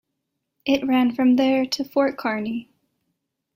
It ran from there to Fort Kearny.